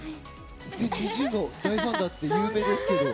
ＮｉｚｉＵの大ファンだと有名ですけど。